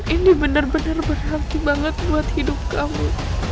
ini bener bener berhati banget buat hidup kamu